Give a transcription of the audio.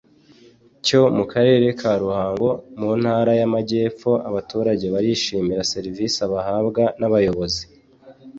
cyo mu karere ka Ruhango mu ntara y'amajyepfo abaturage barishimira serivisi bahabwa n'abayobozi